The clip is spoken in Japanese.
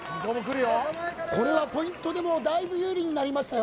これはポイントでもだいぶ有利になりましたよ